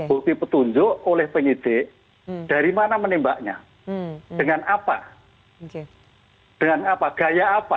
bukti petunjuk oleh penyidik dari mana menembaknya dengan apa dengan apa gaya apa